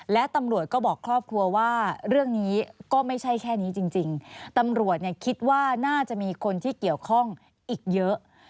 และตำรวจก็บอกครอบครัวว่าเรื่องนี้ก็ไม่ใช่แค่นี้จริงตำรวจเนี่ยคิดว่าน่าจะมีคนที่เกี่ยวข้องอีกเยอะ